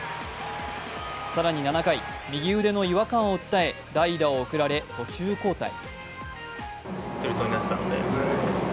更に７回、右腕の違和感を訴え代打を送られ途中交代。